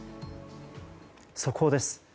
速報です。